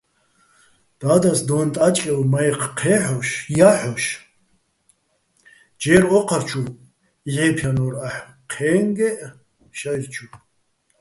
და́დას დონ-ტა́ჭკევ მაჲჴი̆ ჲა́ჰ̦ოშ ჯერ ო́ჴარჩუ ჲჵე́ფჲანო́რ აჰ̦ო̆, ჴე́ჼგეჸ შაჲრჩუ.